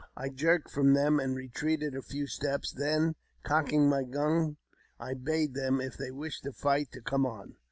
I jerked from them, and retreated a few steps ; then, cocking my gun, I bade them, if they wished to fight, to come on.